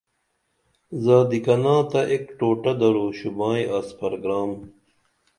زادی کنا تہ ایک ٹوٹہ درو شوبائی آسپر گرام